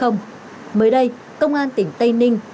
mới đây công an tỉnh tây ninh